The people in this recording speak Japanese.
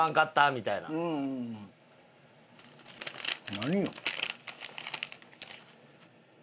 何よ？